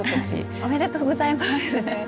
「おめでとうございます！」。